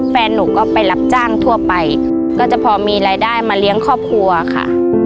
แฟนหนูก็ไปรับจ้างทั่วไปก็จะพอมีรายได้มาเลี้ยงครอบครัวค่ะ